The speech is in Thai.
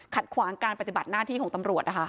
ขวางการปฏิบัติหน้าที่ของตำรวจนะคะ